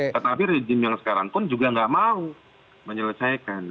tetapi rejim yang sekarang pun juga nggak mau menyelesaikan